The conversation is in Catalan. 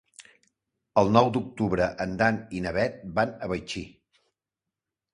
El nou d'octubre en Dan i na Bet van a Betxí.